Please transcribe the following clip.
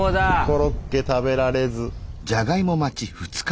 コロッケ食べられず。